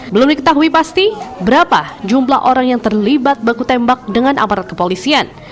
belum diketahui pasti berapa jumlah orang yang terlibat baku tembak dengan aparat kepolisian